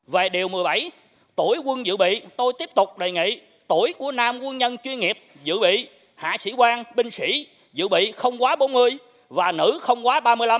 về điều một mươi bảy tuổi quân dự bị tôi tiếp tục đề nghị tuổi của nam quân nhân chuyên nghiệp dự bị hạ sĩ quan binh sĩ dự bị không quá bốn mươi và nữ không quá ba mươi năm